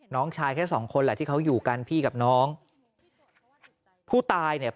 น้องชายแค่สองคนแหละที่เขาอยู่กันพี่กับน้องผู้ตายเนี่ย